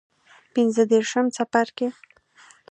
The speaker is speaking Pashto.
پنځه دیرشم څپرکی